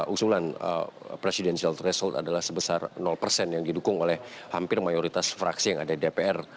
usulan presidential threshold adalah sebesar persen yang didukung oleh hampir mayoritas fraksi yang ada di dpr